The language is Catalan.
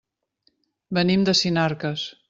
Venim de Sinarques.